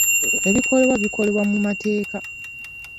Ebikolebwa bikolebwa mu mateeka?